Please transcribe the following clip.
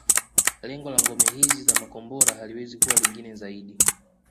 Lengo la ngome hizi za makombora haliwezi kuwa lingine zaidi